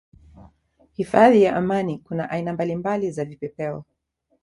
Hifadhi ya Amani kuna aina mbalimbali za vipepeo